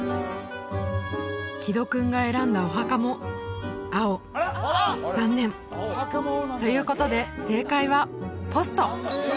木戸君が選んだお墓も青残念ということで正解は「ポスト」